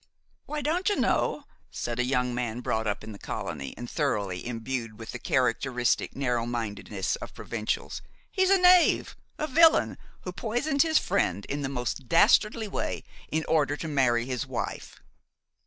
"Why, don't you know?" said a young man brought up in the colony and thoroughly imbued with the characteristic narrow mindedness of provincials, "he's a knave, a villain who poisoned his friend in the most dastardly way in order to marry his wife."